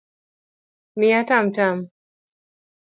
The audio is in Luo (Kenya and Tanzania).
Miya tamtam